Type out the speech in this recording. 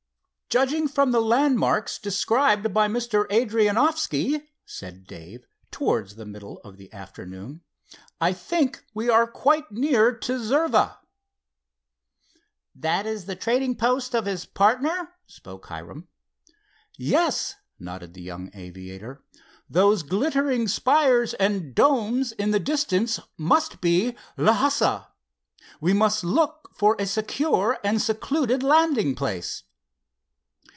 "Judging from the landmarks described by Mr. Adrianoffski," said Dave, towards the middle of the afternoon, "I think we are quite near to Zirva." "That is the trading post of his partner?" spoke Hiram. "Yes," nodded the young aviator. "Those glittering spires and domes in the distance must be Lhassa. We must look for a secure and secluded landing place."